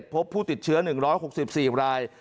พบผู้ติดเชื้อ๑๖๔ราย